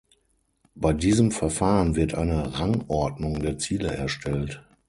Bei diesem Verfahren wird eine "Rangordnung" der Ziele erstellt.